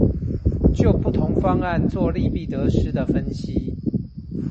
就不同方案作利弊得失的分析